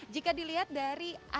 jika dilihat dari atasnya